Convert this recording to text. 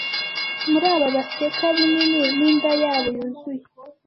muri aba baseka binini ninda yabo yuzuye